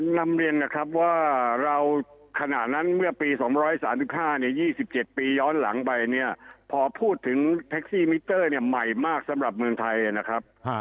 นำเรียนนะครับว่าเราขณะนั้นเมื่อปี๒๓๕เนี่ย๒๗ปีย้อนหลังไปเนี่ยพอพูดถึงแท็กซี่มิเตอร์เนี่ยใหม่มากสำหรับเมืองไทยนะครับ